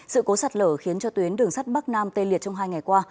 sự cố sạt lở khiến cho tuyến đường sắt bắc nam tê liệt trong hai ngày qua